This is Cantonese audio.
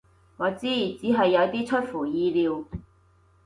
我知，只係有啲出乎意料